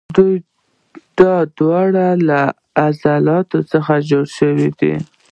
دا دواړه له عضلو څخه جوړ شوي دي.